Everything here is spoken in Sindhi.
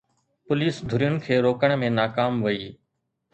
پوليس ڌرين کي روڪڻ ۾ ناڪام وئي